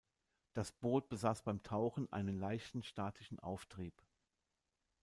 Das Boot besaß beim Tauchen einen leichten statischen Auftrieb.